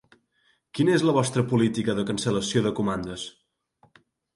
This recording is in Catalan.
Quina és la vostre pol·litica de cancel·lació de comandes?